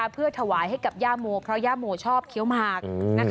เพื่อถวายให้กับย่าโมเพราะย่าโมชอบเคี้ยวหมาก